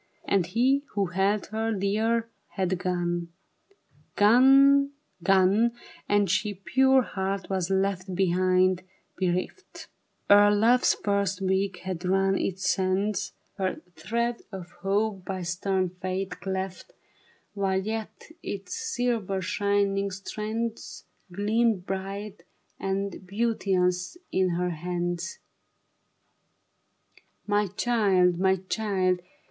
And he who held her dear had gone. Gone, gone, and she, pure heart, was left Behind, bereft Ere love's first week had run its sands ; Her thread of hope by stern fate, cleft While yet its silver shining strands Gleamed bright and beauteous in her hands. My child, my child